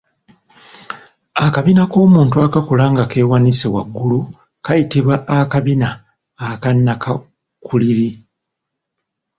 Akabina k’omuntu akakula nga keewanise waggulu kayitibwa akabina akanakakuliri.